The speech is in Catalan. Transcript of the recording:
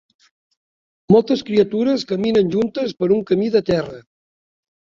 Moltes criatures caminen juntes per un camí de terra.